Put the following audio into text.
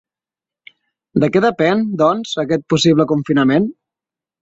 De què depèn, doncs, aquest possible confinament?